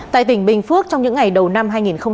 tại tỉnh bình phước trong những ngày đầu năm hai nghìn hai mươi